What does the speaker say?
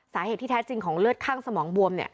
สาเหตุที่แท้จริงของเลือดข้างสมองบวม